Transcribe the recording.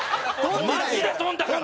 マジで飛んだから！